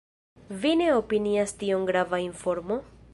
Vi ne opinias tion grava informo?